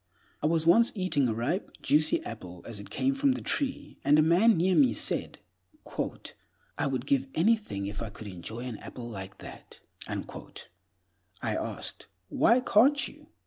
I was once eating a ripe, juicy apple as it came from the tree, and a man near me said, "I would give anything if I could enjoy an apple like that." I asked, "Why can't you?"